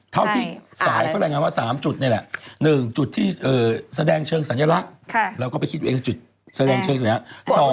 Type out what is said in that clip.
เท่าที่สายเขาแนะนำว่า๓จุดนี่แหละ๑จุดที่แสดงเชิงสัญญาณรักษ์แล้วก็ไปคิดไว้จุดแสดงเชิงสัญญาณรักษ์